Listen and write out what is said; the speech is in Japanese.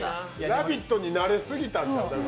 「ラヴィット！」に慣れすぎたんちゃう？